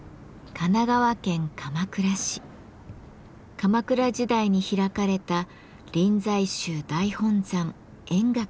鎌倉時代に開かれた臨済宗大本山円覚寺です。